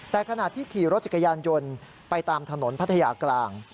แต่ขณะที่ขี่รถจักรยานยนต์ไปตามถนนพัทยากลาง